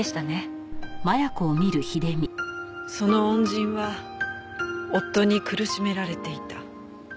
その恩人は夫に苦しめられていた。